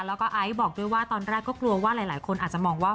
แล้วก็ไอซ์บอกด้วยว่าตอนแรกก็กลัวว่าหลายคนอาจจะมองว่า